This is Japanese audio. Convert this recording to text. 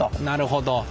なるほど。